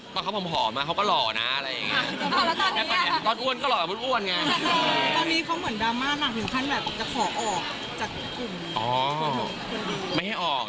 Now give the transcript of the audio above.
ตอนเขาผอมเขาก็หล่อนะอะไรอย่างนี้